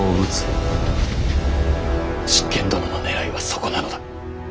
執権殿のねらいはそこなのだ。